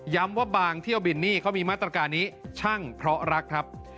ว่าบางเที่ยวบินนี่เขามีมาตรการนี้ช่างเพราะรักครับ